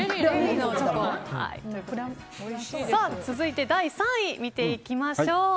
続いて第３位見ていきましょう。